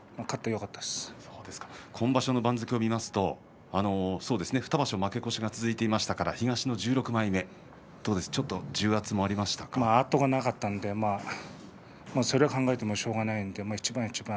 勝って今場所の番付を見ますと２場所負け越しが続いていましたから東の１６枚目後がなかったのでそれを考えてもしょうがないので一番一番